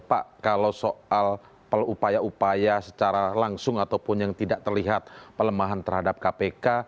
pak kalau soal upaya upaya secara langsung ataupun yang tidak terlihat pelemahan terhadap kpk